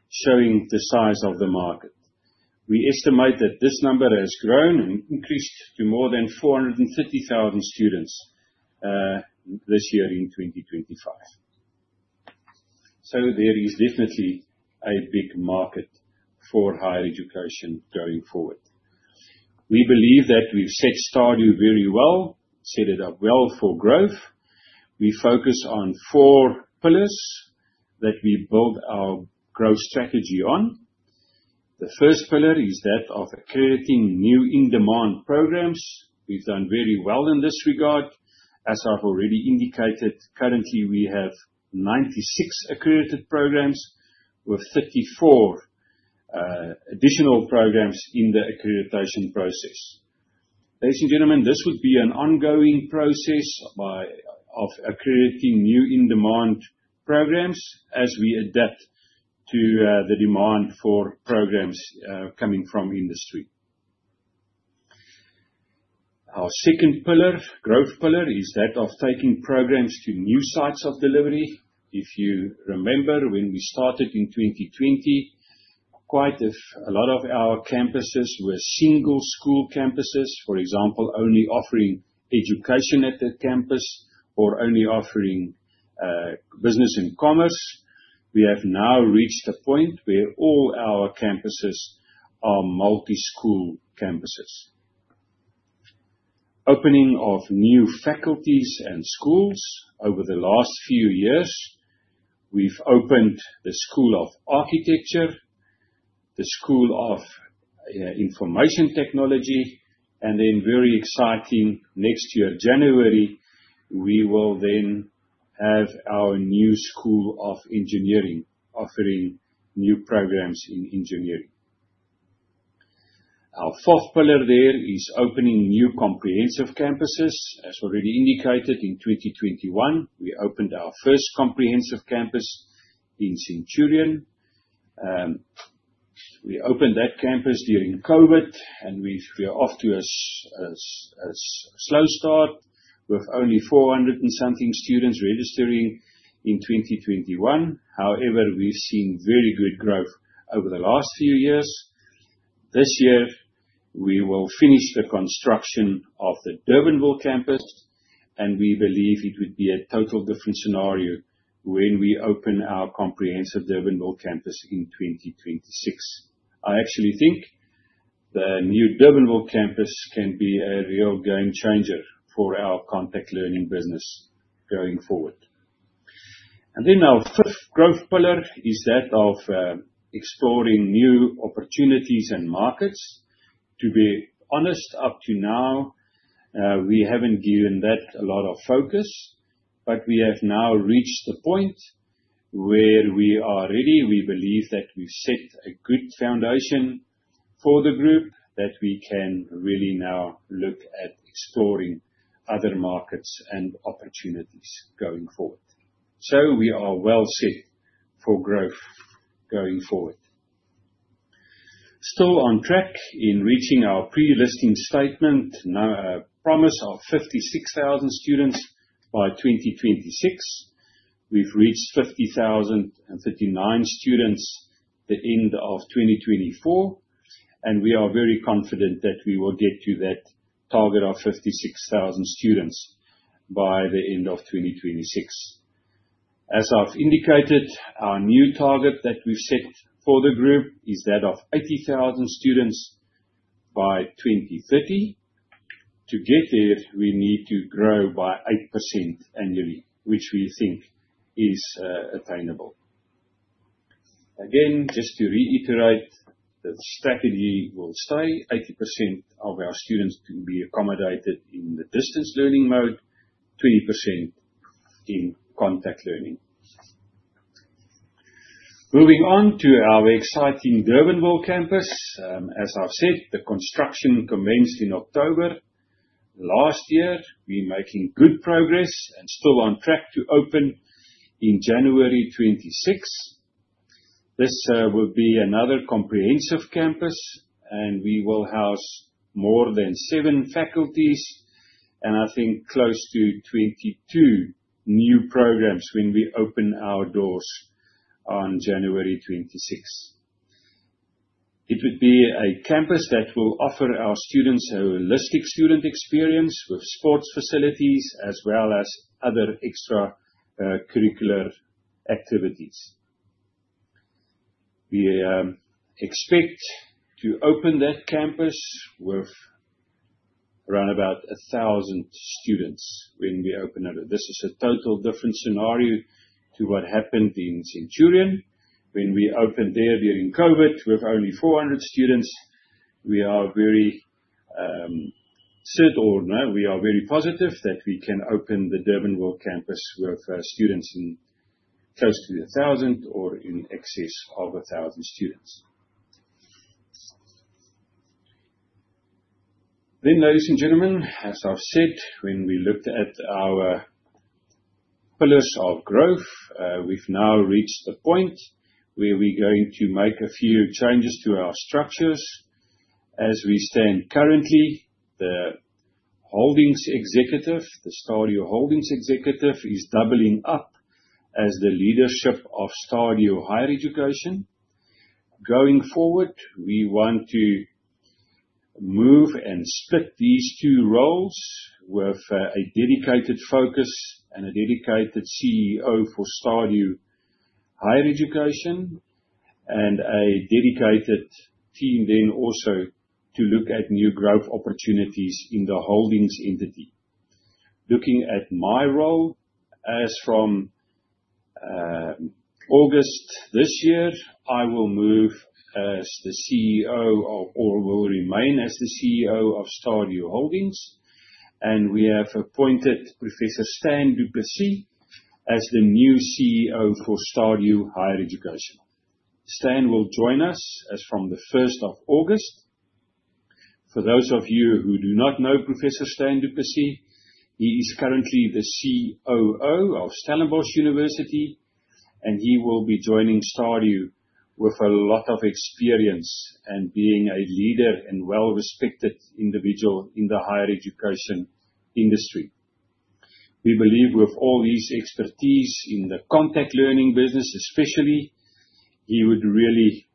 showing the size of the market. We estimate that this number has grown and increased to more than 450,000 students this year in 2025. There is definitely a big market for higher education going forward. We believe that we've set Stadio very well, set it up well for growth. We focus on four pillars that we build our growth strategy on. The first pillar is that of accrediting new in-demand programs. We've done very well in this regard. As I've already indicated, currently we have 96 accredited programs with 34 additional programs in the accreditation process. Ladies and gentlemen, this would be an ongoing process of accrediting new in-demand programs as we adapt to the demand for programs coming from industry. Our second growth pillar is that of taking programs to new sites of delivery. If you remember when we started in 2020, quite a lot of our campuses were single school campuses. For example, only offering education at that campus or only offering business and commerce. We have now reached a point where all our campuses are multi-school campuses. Opening of new faculties and schools. Over the last few years, we've opened the School of Architecture, the School of Information Technology, and then very exciting next year, January, we will then have our new School of Engineering offering new programs in engineering. Our fourth pillar there is opening new comprehensive campuses. As already indicated, in 2021, we opened our first comprehensive campus in Centurion. We opened that campus during COVID, and we were off to a slow start with only 400 and something students registering in 2021. However, we've seen very good growth over the last few years. This year, we will finish the construction of the Durbanville Campus, and we believe it would be a total different scenario when we open our comprehensive Durbanville Campus in 2026. I actually think the new Durbanville Campus can be a real game changer for our contact learning business going forward. Our fifth growth pillar is that of exploring new opportunities and markets. To be honest, up to now, we haven't given that a lot of focus, but we have now reached the point where we are ready. We believe that we've set a good foundation for the group that we can really now look at exploring other markets and opportunities going forward. We are well set for growth going forward. Still on track in reaching our pre-listing statement, now a promise of 56,000 students by 2026. We've reached 50,039 students the end of 2024, and we are very confident that we will get to that target of 56,000 students by the end of 2026. As I've indicated, our new target that we've set for the group is that of 80,000 students by 2030. To get there, we need to grow by 8% annually, which we think is attainable. Again, just to reiterate, the strategy will stay 80% of our students to be accommodated in the distance learning mode, 20% in contact learning. Moving on to our exciting Durbanville campus. As I've said, the construction commenced in October last year. We making good progress and still on track to open in January 2026. This will be another comprehensive campus, and we will house more than seven faculties and I think close to 22 new programs when we open our doors on January 26th. It would be a campus that will offer our students a holistic student experience with sports facilities as well as other extracurricular activities. We expect to open that campus with around about 1,000 students when we open it. This is a total different scenario to what happened in Centurion when we opened there during COVID with only 400 students. We are very certain, or no, we are very positive that we can open the Durbanville campus with students in close to 1,000 or in excess of 1,000 students. Ladies and gentlemen, as I've said, when we looked at our pillars of growth, we've now reached the point where we're going to make a few changes to our structures. As we stand currently, the Stadio Holdings executive is doubling up as the leadership of STADIO Higher Education. Going forward, we want to move and split these two roles with a dedicated focus and a dedicated CEO for STADIO Higher Education and a dedicated team then also to look at new growth opportunities in the holdings entity. Looking at my role as from August this year, I will move as the CEO or will remain as the CEO of Stadio Holdings, and we have appointed Professor Stan du Plessis as the new CEO for STADIO Higher Education. Stan will join us as from the 1st of August. For those of you who do not know Professor Stan du Plessis, he is currently the COO of Stellenbosch University, and he will be joining Stadio with a lot of experience and being a leader and well-respected individual in the higher education industry. We believe with all his expertise in the contact learning business especially, he would really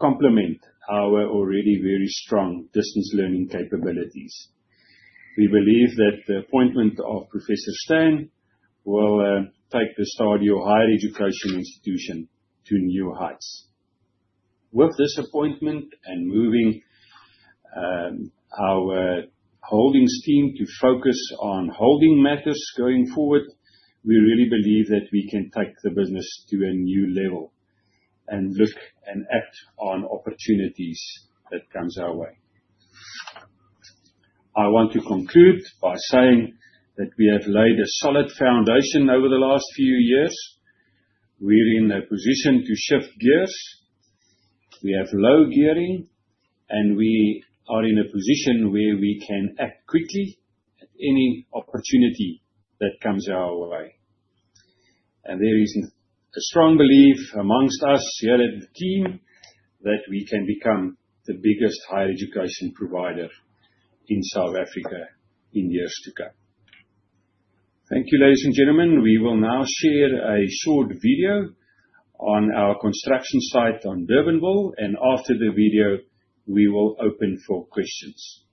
complement our already very strong distance learning capabilities. We believe that the appointment of Professor Stan will take the STADIO Higher Education institution to new heights. With this appointment and moving our holdings team to focus on holding matters going forward, we really believe that we can take the business to a new level and look and act on opportunities that comes our way. I want to conclude by saying that we have laid a solid foundation over the last few years. We're in a position to shift gears. We have low gearing. We are in a position where we can act quickly at any opportunity that comes our way. There is a strong belief amongst us here at the team that we can become the biggest higher education provider in South Africa in years to come. Thank you, ladies and gentlemen. We will now share a short video on our construction site on Durbanville, and after the video, we will open for questions.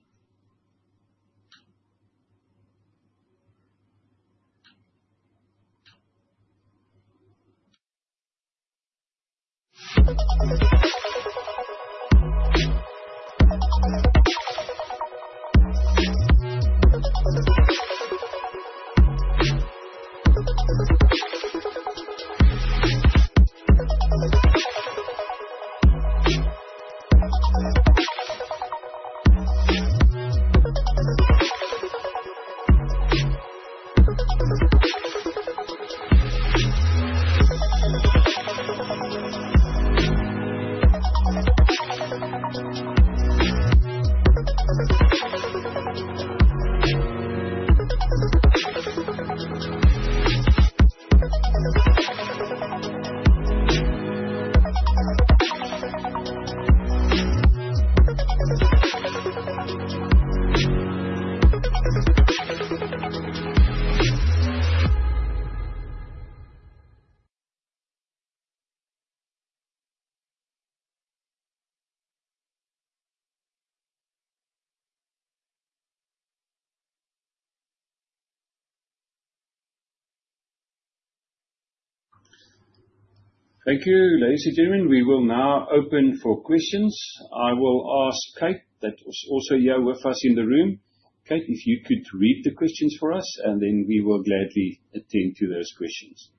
Thank you, ladies and gentlemen. We will now open for questions. I will ask Kate, that is also here with us in the room. Kate, if you could read the questions for us, and then we will gladly attend to those questions.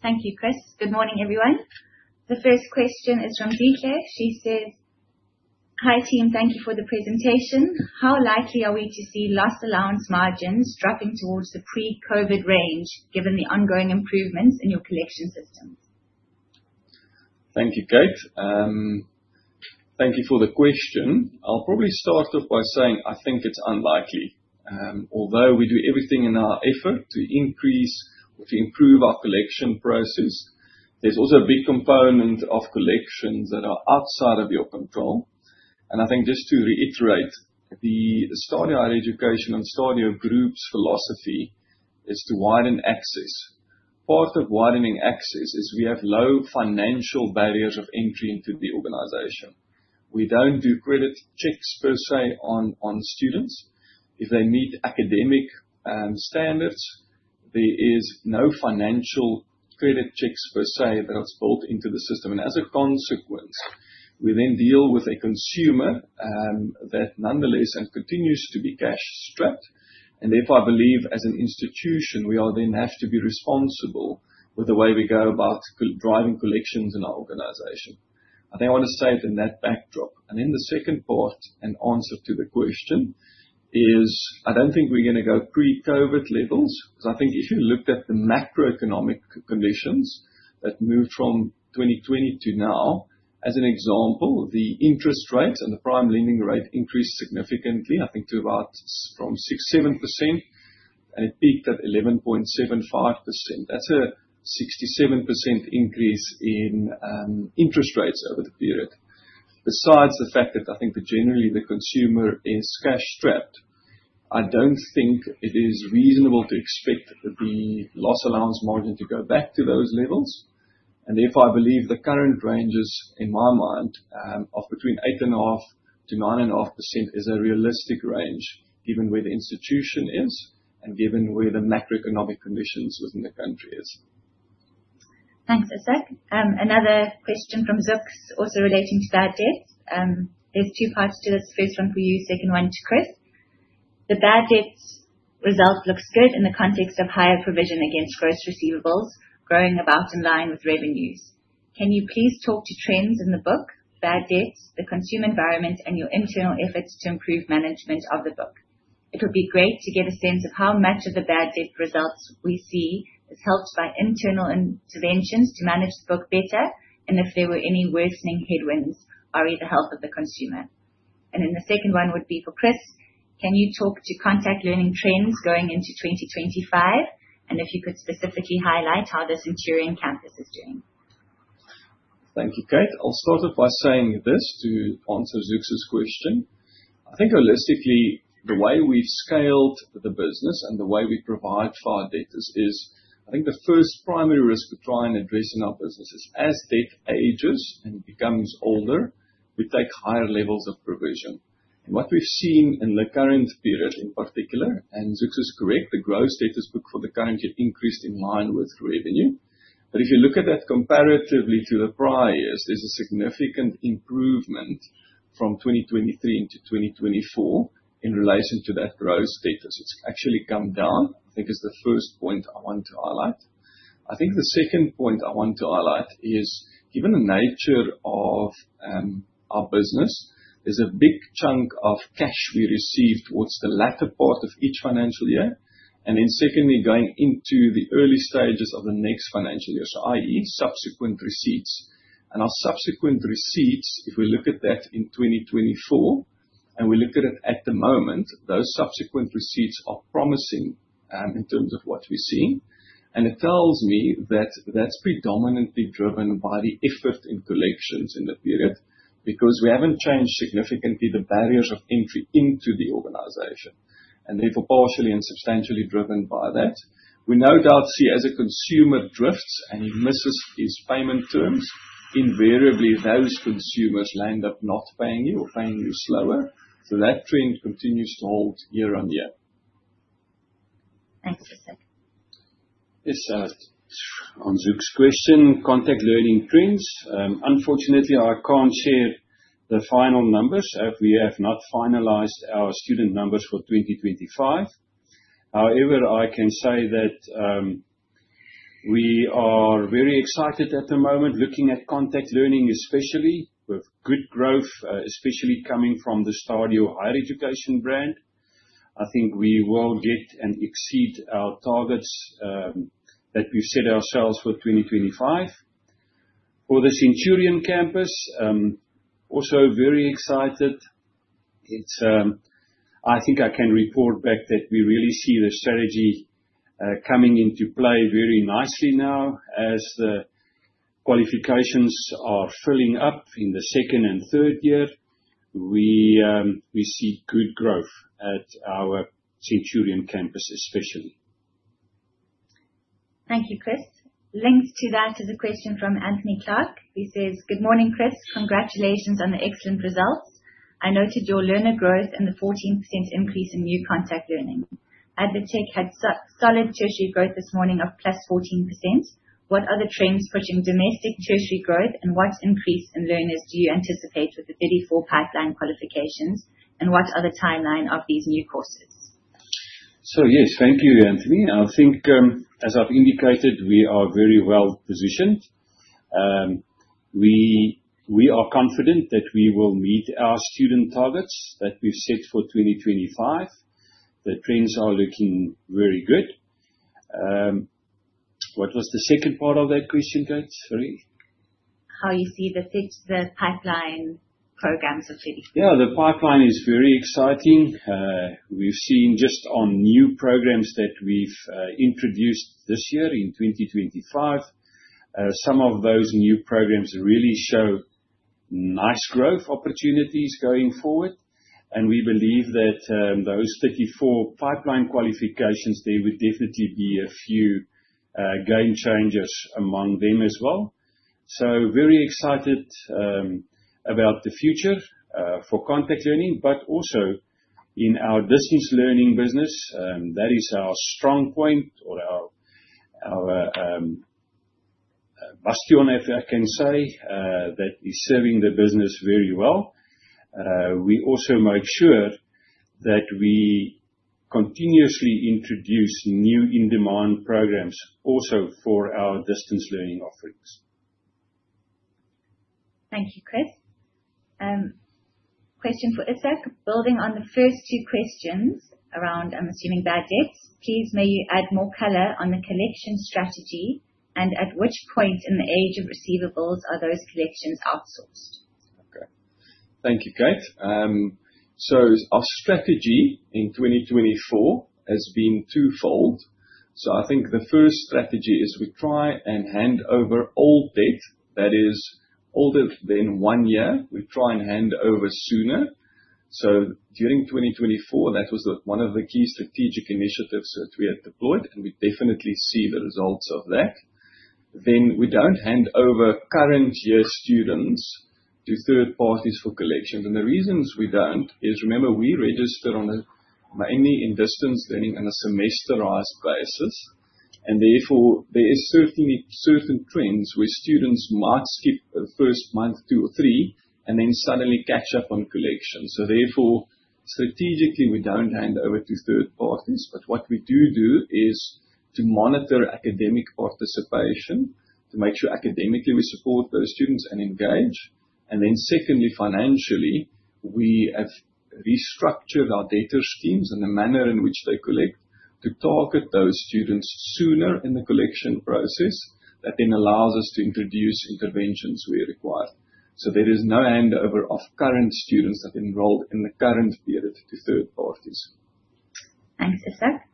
Thank you, Chris. Good morning, everyone. The first question is from Ritche. She says, "Hi, team. Thank you for the presentation. How likely are we to see loss allowance margins dropping towards the pre-COVID range given the ongoing improvements in your collection systems? Thank you, Kate. Thank you for the question. I'll probably start off by saying I think it's unlikely. Although we do everything in our effort to increase or to improve our collection process, there is also a big component of collections that are outside of your control. I think just to reiterate, the STADIO Higher Education and Stadio Group's philosophy is to widen access. Part of widening access is we have low financial barriers of entry into the organization. We don't do credit checks per se on students. If they meet academic standards, there is no financial credit checks per se that's built into the system. As a consequence, we then deal with a consumer, that nonetheless continues to be cash-strapped. Therefore, I believe as an institution, we all then have to be responsible with the way we go about driving collections in our organization. I think I want to say it in that backdrop. The second part and answer to the question is, I don't think we're going to go pre-COVID levels, because I think if you looked at the macroeconomic conditions that moved from 2020 to now, as an example, the interest rate and the prime lending rate increased significantly, I think to about from 6%, 7%, and it peaked at 11.75%. That's a 67% increase in interest rates over the period. Besides the fact that I think that generally the consumer is cash-strapped, I don't think it is reasonable to expect the loss allowance margin to go back to those levels. Therefore, I believe the current ranges, in my mind, of between 8.5%-9.5% is a realistic range, given where the institution is and given where the macroeconomic conditions within the country is. Thanks, Ishak. Another question from Zooks also relating to bad debts. There's two parts to this. First one for you, second one to Chris. The bad debts result looks good in the context of higher provision against gross receivables growing about in line with revenues. Can you please talk to trends in the book, bad debts, the consumer environment, and your internal efforts to improve management of the book? It would be great to get a sense of how much of the bad debt results we see is helped by internal interventions to manage the book better and if there were any worsening headwinds re the health of the consumer. The second one would be for Chris. Can you talk to contact learning trends going into 2025? If you could specifically highlight how the Centurion campus is doing. Thank you, Kate. I'll start off by saying this to answer Zooks' question. I think holistically, the way we've scaled the business and the way we provide for our debtors is, I think the first primary risk we're trying addressing our business is as debt ages and becomes older, we take higher levels of provision. What we've seen in the current period, in particular, and Zooks is correct, the gross debtors book for the current year increased in line with revenue. If you look at that comparatively to the prior years, there's a significant improvement from 2023 into 2024 in relation to that gross debtors. It's actually come down. I think it's the first point I want to highlight. I think the second point I want to highlight is given the nature of our business, there's a big chunk of cash we receive towards the latter part of each financial year, then secondly, going into the early stages of the next financial year, so i.e., subsequent receipts. Our subsequent receipts, if we look at that in 2024. We look at it at the moment, those subsequent receipts are promising in terms of what we're seeing. It tells me that that's predominantly driven by the effort in collections in the period, because we haven't changed significantly the barriers of entry into the organization. Therefore, partially and substantially driven by that. We no doubt see as a consumer drifts and he misses his payment terms, invariably, those consumers land up not paying you or paying you slower. That trend continues to hold year-on-year. Thanks, Ishak. Yes. On Zooks's question, Contact Learning trends. Unfortunately, I can't share the final numbers as we have not finalized our student numbers for 2025. However, I can say that we are very excited at the moment looking at Contact Learning especially with good growth, especially coming from the STADIO Higher Education brand. I think we will get and exceed our targets that we've set ourselves for 2025. For the Centurion campus, also very excited. I think I can report back that we really see the strategy coming into play very nicely now as the qualifications are filling up in the second and third year. We see good growth at our Centurion campus, especially. Thank you, Chris. Linked to that is a question from Anthony Clark. He says, "Good morning, Chris. Congratulations on the excellent results. I noted your learner growth and the 14% increase in new Contact Learning. ADvTECH had solid tertiary growth this morning of plus 14%. What are the trends pushing domestic tertiary growth, and what increase in learners do you anticipate with the 34 pipeline qualifications? What are the timeline of these new courses? Yes. Thank you, Anthony. I think, as I've indicated, we are very well-positioned. We are confident that we will meet our student targets that we've set for 2025. The trends are looking very good. What was the second part of that question, Kate? Sorry. How you see the fit the pipeline programs of 2025. Yeah. The pipeline is very exciting. We've seen just on new programs that we've introduced this year in 2025. Some of those new programs really show nice growth opportunities going forward. We believe that those 34 pipeline qualifications, there will definitely be a few game changers among them as well. Very excited about the future for Contact Learning, but also in our Distance Learning business. That is our strong point or our bastion, if I can say, that is serving the business very well. We also make sure that we continuously introduce new in-demand programs also for our Distance Learning offerings. Thank you, Chris. Question for Ishak. Building on the first two questions around, I am assuming, bad debts. Please may you add more color on the collection strategy and at which point in the age of receivables are those collections outsourced? Okay. Thank you, Kate. Our strategy in 2024 has been twofold. I think the first strategy is we try and hand over all debt that is older than one year. We try and hand over sooner. During 2024, that was one of the key strategic initiatives that we had deployed, and we definitely see the results of that. We don't hand over current year students to third parties for collections. The reasons we don't is, remember, we register mainly in distance learning on a semesterized basis. Therefore, there is certainly certain trends where students might skip the first month, two, or three and then suddenly catch up on collection. Therefore, strategically, we don't hand over to third parties, but what we do is to monitor academic participation to make sure academically we support those students and engage. Secondly, financially, we have restructured our debtor schemes and the manner in which they collect to target those students sooner in the collection process that then allows us to introduce interventions where required. There is no handover of current students that enrolled in the current period to third parties. Thanks, Ishak.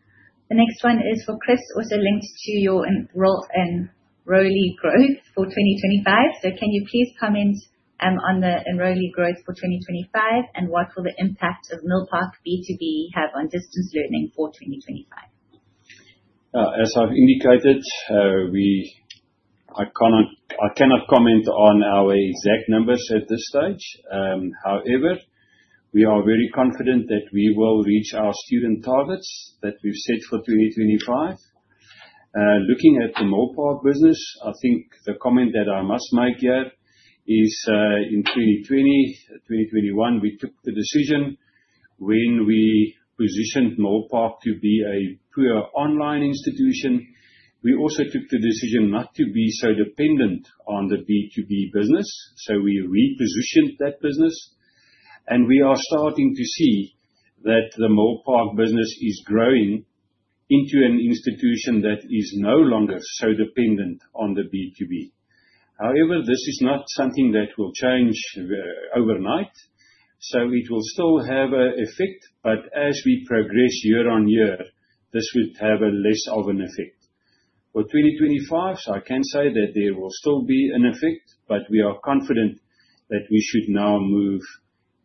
The next one is for Chris, also linked to your enrollee growth for 2025. Can you please comment on the enrollee growth for 2025 and what will the impact of Milpark B2B have on distance learning for 2025? As I've indicated, I cannot comment on our exact numbers at this stage. However, we are very confident that we will reach our student targets that we've set for 2025. Looking at the Milpark business, I think the comment that I must make here is, in 2020, 2021, we took the decision when we positioned Milpark to be a pure online institution. We also took the decision not to be so dependent on the B2B business. We repositioned that business, and we are starting to see that the Milpark business is growing into an institution that is no longer so dependent on the B2B. However, this is not something that will change overnight, so it will still have an effect. As we progress year on year, this will have a less of an effect. For 2025, I can say that there will still be an effect, we are confident that we should now move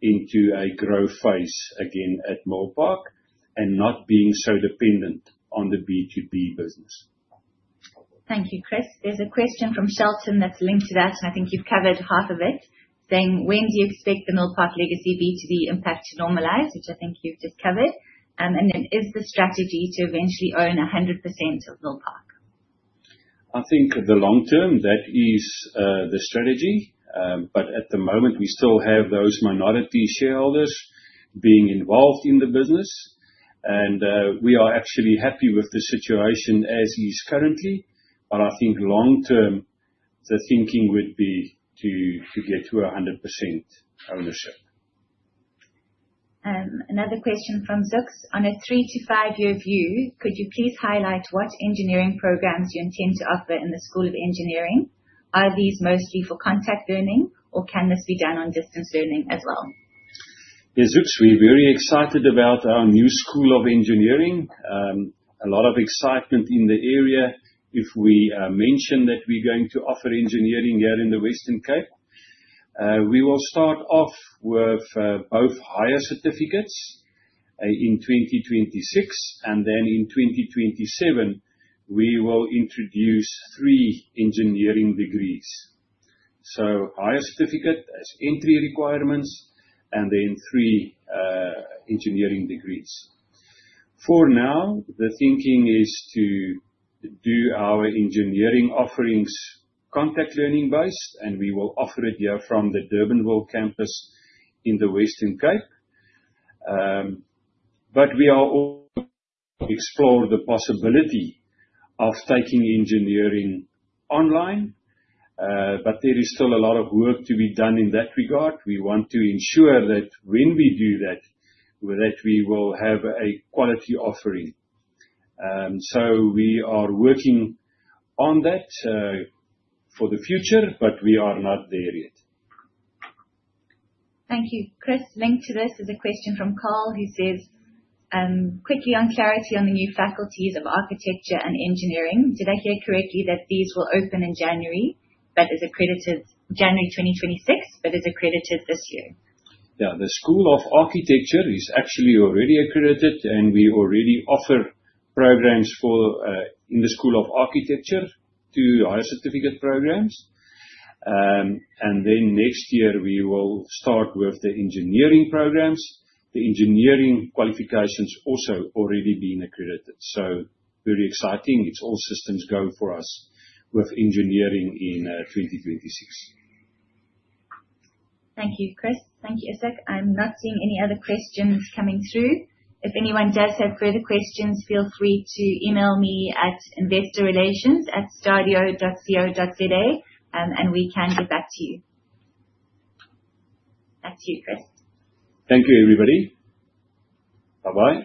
into a growth phase again at Milpark and not being so dependent on the B2B business. Thank you, Chris. There's a question from Shelton that's linked to that, I think you've covered half of it, saying, "When do you expect the Milpark Legacy B2B impact to normalize?" Which I think you've just covered. Then, is the strategy to eventually own 100% of Milpark? I think the long term, that is the strategy. At the moment, we still have those Milpark Education minority interest being involved in the business. We are actually happy with the situation as is currently. I think long term, the thinking would be to get to 100% ownership. Another question from Zooks. On a three to five-year view, could you please highlight what engineering programs you intend to offer in the School of Engineering? Are these mostly for contact learning or can this be done on distance learning as well? Yes, Zooks. We're very excited about our new School of Engineering. A lot of excitement in the area if we mention that we're going to offer engineering here in the Western Cape. We will start off with both higher certificates in 2026. In 2027, we will introduce three engineering degrees. Higher certificate as entry requirements, and then three engineering degrees. For now, the thinking is to do our engineering offerings contact learning-based. We will offer it here from the Durbanville Campus in the Western Cape. We are also exploring the possibility of taking engineering online. There is still a lot of work to be done in that regard. We want to ensure that when we do that we will have a quality offering. We are working on that for the future, but we are not there yet. Thank you. Chris, linked to this is a question from Carl who says, "Quickly on clarity on the new faculties of architecture and engineering, did I hear correctly that these will open in January, but as accredited January 2026, but as accredited this year? Yeah. The School of Architecture is actually already accredited. We already offer programs in the School of Architecture, two higher certificate programs. Next year, we will start with the engineering programs. The engineering qualifications also already been accredited. Very exciting. It's all systems go for us with engineering in 2026. Thank you, Chris. Thank you, Ishak. I'm not seeing any other questions coming through. If anyone does have further questions, feel free to email me at investorrelations@stadio.co.za. We can get back to you. Back to you, Chris. Thank you, everybody. Bye-bye.